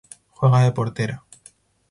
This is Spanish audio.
Juega de portera.